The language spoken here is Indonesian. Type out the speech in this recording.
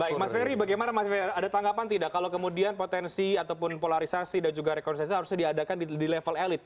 baik mas ferry bagaimana mas ferry ada tanggapan tidak kalau kemudian potensi ataupun polarisasi dan juga rekonsiliasi harusnya diadakan di level elit